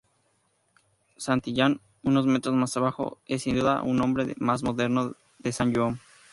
Santillán, unos metros más abajo, es sin duda un nombre más moderno -Sant Joan-